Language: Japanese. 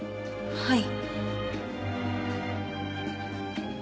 はい。